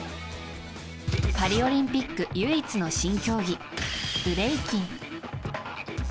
パリオリンピック唯一の新競技ブレイキン。